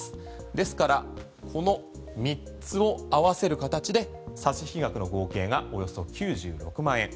ですからこの３つを合わせる形で差し引き額の合計がおよそ９６万円。